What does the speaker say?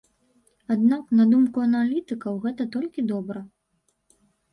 Аднак, на думку аналітыкаў, гэта толькі добра.